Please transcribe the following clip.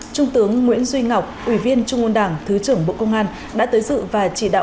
trung tướng nguyễn duy ngọc ủy viên trung ương đảng thứ trưởng bộ công an đã tới dự và chỉ đạo